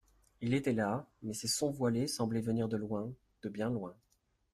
Il était là, mais ses sons voilés semblaient venir de loin, de bien loin.